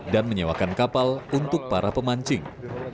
dan menyewakan kapal untuk para pemancing